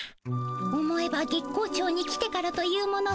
思えば月光町に来てからというもの